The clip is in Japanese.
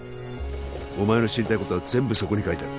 「お前の知りたいことは全部そこに書いてある」